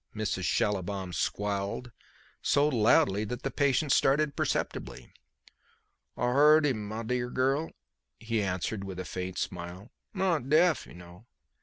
'" Mrs. Schallibaum squalled, so loudly that the patient started perceptibly. "I heard him, m'dear girl," he answered with a faint smile. "Not deaf you know.